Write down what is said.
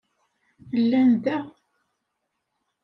Llan da.